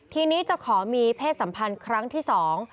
ทีนี้จะขอมีเพศสัมพันธ์ครั้งที่สอง